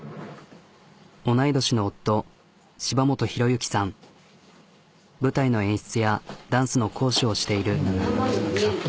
同い年の夫舞台の演出やダンスの講師をしている。